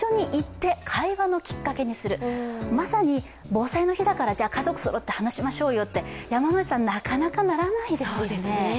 まさに防災の日だから家族そろって話し合いましょうよってなかなか鳴らないですよね。